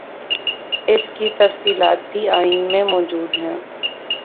اس کی تفصیلات بھی آئین میں موجود ہیں۔